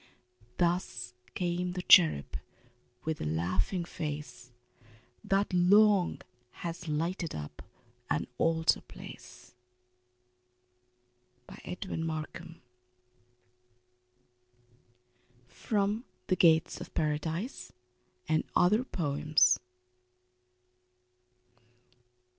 Thus came the cherub with the laughing face That long has lighted up an altar place. Edwin Markham. From "The Gates of Paradise, and Other Poems."